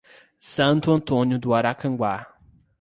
Santo Antônio do Aracanguá